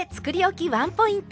ワンポイント。